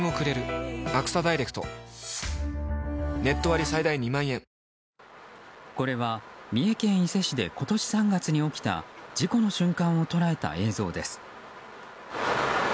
味の素の「コンソメ」これは三重県伊勢市で今年３月に起きた事故の瞬間を捉えた映像です。